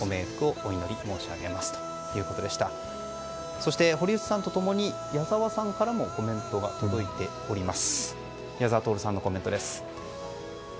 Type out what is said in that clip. そして、堀内さんと共に矢沢さんからもコメントが届いております。